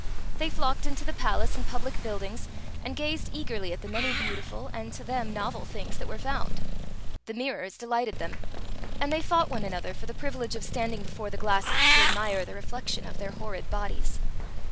They flocked into the palace and public buildings, and gazed eagerly at the many beautiful and, to them, novel things that were found. The mirtx)rs delighted them, and they fought one another for the privilege of standing before the glasses to admire the reflection of their horrid bodies.